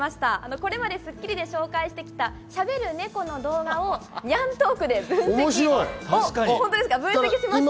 これまで『スッキリ』で紹介してきた、しゃべるネコの動画をにゃんトークで分析しました。